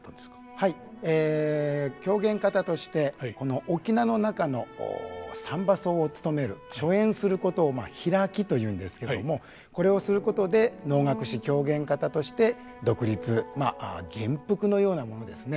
はい狂言方としてこの「翁」の中の「三番叟」をつとめる初演することを「披き」というんですけどもこれをすることで能楽師狂言方として独立まあ元服のようなものですね。